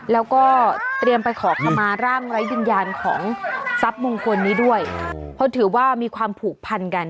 แล้วก็เตรียมไปขอคำมาร่างไร้วิญญาณของทรัพย์มงคลนี้ด้วยเพราะถือว่ามีความผูกพันกัน